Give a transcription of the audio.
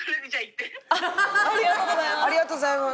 ありがとうございます。